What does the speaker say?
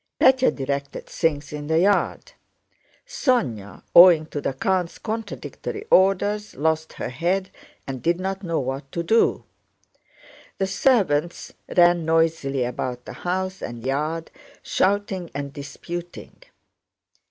Pétya directed things in the yard. Sónya, owing to the count's contradictory orders, lost her head and did not know what to do. The servants ran noisily about the house and yard, shouting and disputing.